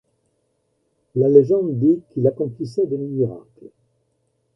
La légende dit qu'il accomplissait des miracles.